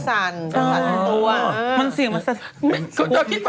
ถ้ากลัวเอามาก็เสียงสั่นจริงเพราะว่าร่างมันสัน